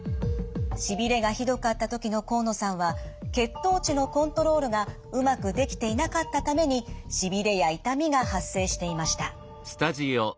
しびれがひどかった時の河野さんは血糖値のコントロールがうまくできていなかったためにしびれや痛みが発生していました。